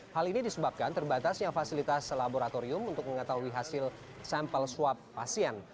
hal ini disebabkan terbatasnya fasilitas laboratorium untuk mengetahui hasil sampel swab pasien